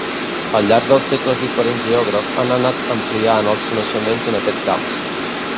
Al llarg dels segles diferents geògrafs han anat ampliant els coneixements en aquest camp.